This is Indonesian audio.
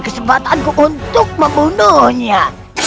kesempatanku untuk membunuhnya